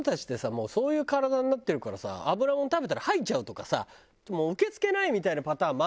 もうそういう体になってるからさ油もの食べたら吐いちゃうとかさもう受け付けないみたいなパターンもあるんだよね。